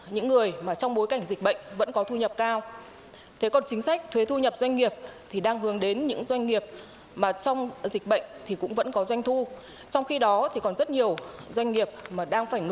nhưng phải đúng địa chỉ đúng đối tượng